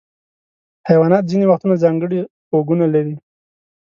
حیوانات ځینې وختونه ځانګړي غوږونه لري.